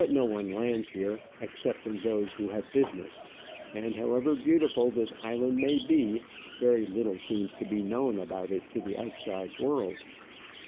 22 1 no one lands here excepting those who have business, and, however beautiful this island may be, very little seems to be known about it to the outside world.